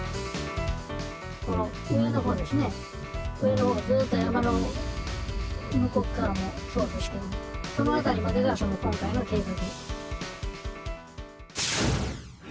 この上のほうですね、上のほう、ずっと山の向こう側もそうですけど、その辺りまでが今回の計画。